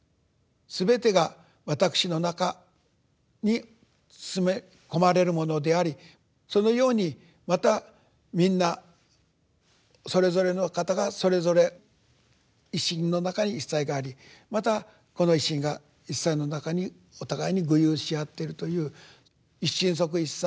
すべてがわたくしの中に詰め込まれるものでありそのようにまたみんなそれぞれの方がそれぞれ一身の中に一切がありまたこの一身が一切の中にお互いに具有しあってるという「一身即一切」